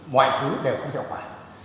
mọi thứ đều không hiệu quả